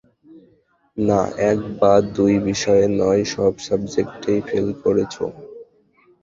না, এক বা দুই বিষয়ে নয়, সব সাবজেক্টেই ফেল করেছ।